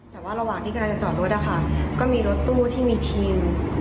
แต่ว่าระหว่างที่กำลังจะจอดรถนะคะก็มีรถตู้ที่มีคิว